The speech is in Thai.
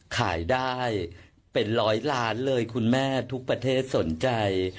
ขายได้เป็นร้อยล้านเลยคุณแม่ทุกประเทศสนใจ